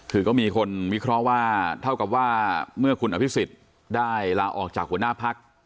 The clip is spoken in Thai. คือก็มีคนวิเคราะห์ว่าเท่ากับว่าเมื่อคุณอภิษฎได้ลาออกจากหัวหน้าพัก